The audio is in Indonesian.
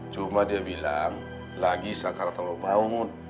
cuma dia bilang lagi sakar telur bangun